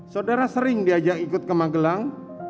saudara sering diajak ikut ke magelang